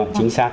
vâng chính xác